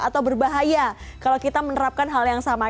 atau berbahaya kalau kita menerapkan hal yang sama